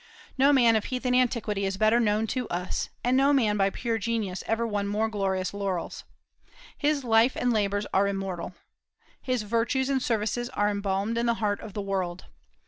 No man of heathen antiquity is better known to us, and no man by pure genius ever won more glorious laurels. His life and labors are immortal. His virtues and services are embalmed in the heart of the world.